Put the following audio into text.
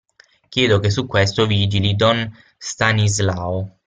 Chiedo che su questo vigili don Stanislao.